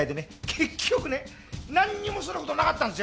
結局ねなんにもすることなかったんですよ。